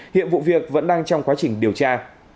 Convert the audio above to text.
hiện vụ việc vẫn đang trong quá trình điều tra